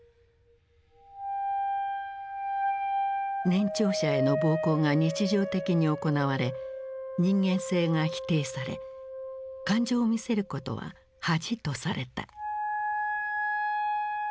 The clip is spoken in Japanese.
年長者への暴行が日常的に行われ人間性が否定され感情を見せることは恥とされた。